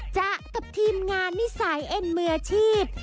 จากกับทีมงานนิสัยเอ็นมืออาชีพ